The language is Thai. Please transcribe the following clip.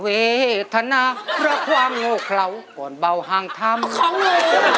อเวทนาและความโง่เคราะห์ก่อนเบาห่างถ้ำของหนู